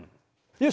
よし。